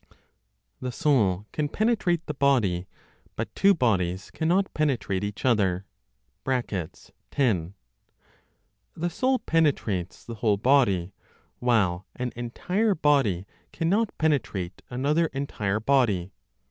THE SOUL CAN PENETRATE THE BODY; BUT TWO BODIES CANNOT PENETRATE EACH OTHER. (10). The soul penetrates the whole body, while an entire body cannot penetrate another entire body.